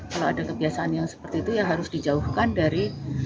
kalau ada kebiasaan yang seperti itu ya harus dijauhkan dari